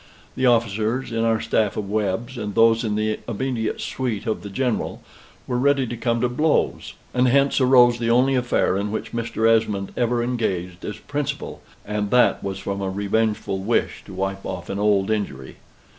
The officers in our staff of Webb's, and those in the immediate suite of the General, were ready to come to blows; and hence arose the only affair in which Mr. Esmond ever engaged as principal, and that was from a revengeful wish to wipe off an old injury.